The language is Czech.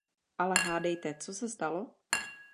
Ale hádejte, co se stalo?